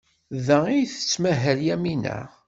Da ay tettmahal Yamina?